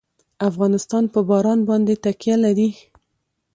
افغانستان په باران باندې تکیه لري.